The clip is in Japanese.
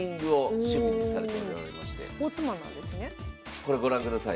これご覧ください。